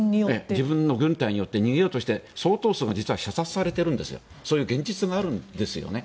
自軍の軍隊によって逃げようとして相当数が射殺されているんですそういう現実があるんですよね。